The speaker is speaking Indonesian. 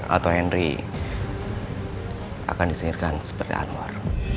atau hendry akan disihirkan seperti anwar